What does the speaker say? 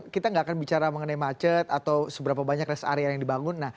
kita nggak akan bicara mengenai macet atau seberapa banyak rest area yang dibangun